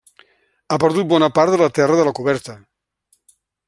Ha perdut bona part de la terra de la coberta.